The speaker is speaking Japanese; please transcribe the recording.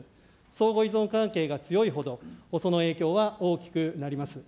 相互依存関係が強いほど、その影響は大きくなります。